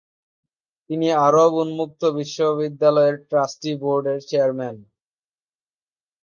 তিনি আরব উন্মুক্ত বিশ্ববিদ্যালয়ের ট্রাস্টি বোর্ডের চেয়ারম্যান।